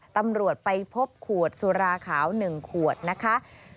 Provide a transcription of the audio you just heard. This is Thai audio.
ตำรวจไปพบขวดสุราขาว๑ขวดนะคะ